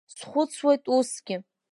Схәыцуеит усгьы…